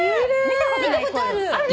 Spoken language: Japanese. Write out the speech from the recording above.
見たことある！